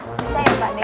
bisa ya pak deh